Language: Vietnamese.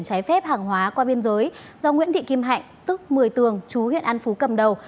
trái phép hàng hóa qua biên giới do nguyễn thị kim hạnh tức một mươi tường chú huyện an phú cầm đầu